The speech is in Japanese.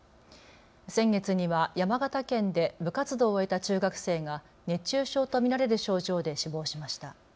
先月には山形県で部活動を終えた中学生が熱中症と見られる症状で死亡しました。